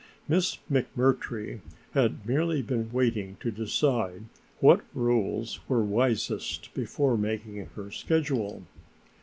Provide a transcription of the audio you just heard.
Miss McMurtry had merely been waiting to decide what rules were wisest before making her schedule.